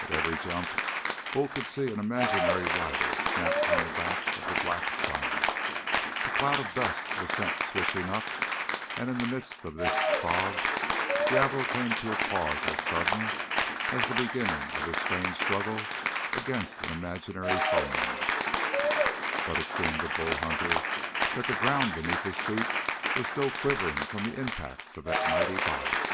At every jump Bull could see an imaginary rider snapped from the back of the black giant. A cloud of dust was sent swishing up, and in the midst of this fog, Diablo came to a pause as sudden as the beginning of his strange struggle against an imaginary foeman; but it seemed to Bull Hunter that the ground beneath his feet was still quivering from the impacts of that mighty body.